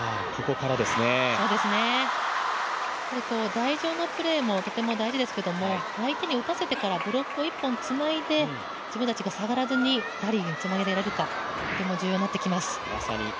台上のプレーもとても大事ですけども相手に打たせてからブロック１本つないで自分たちが下がらずにラリーにつなげられるかが重要になります。